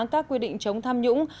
các quy định chống tham nhũng